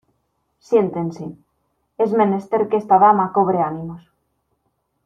siéntense: es menester que esta dama cobre ánimos.